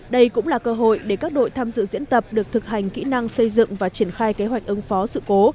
đây cũng là cơ hội để các đội tham dự diễn tập được thực hành kỹ năng xây dựng và triển khai kế hoạch ứng phó sự cố